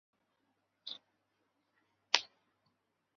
康熙二十八年十一月出生。